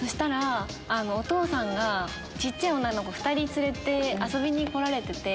お父さんが小さい女の子２人連れて遊びに来られてて。